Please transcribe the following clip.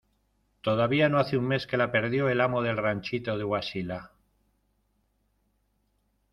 todavía no hace un mes que la perdió el amo del ranchito de Huaxila: